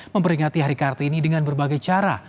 memperingati hari kartini dengan berbagai cara